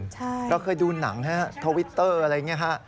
เราเคยดูหนังฮะทวิตเตอร์อะไรอย่างนี้ฮะ